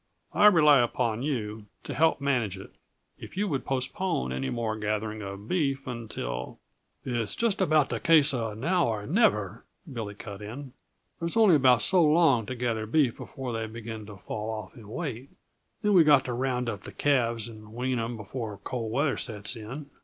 I rely upon you to help manage it. If you would postpone any more gathering of beef until " "It's just about a case uh now or never," Billy cut in. "There's only about so long to gather beef before they begin to fall off in weight. Then we've got to round up the calves and wean 'em, before cold weather sets in.